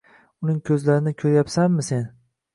Uning ko‘zlarini ko‘ryapsanmi sen